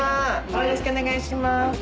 よろしくお願いします。